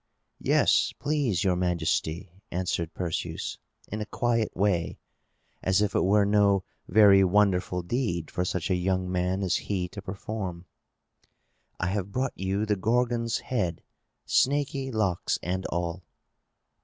"Yes, please Your Majesty," answered Perseus, in a quiet way, as if it were no very wonderful deed for such a young man as he to perform. "I have brought you the Gorgon's head, snaky locks and all!"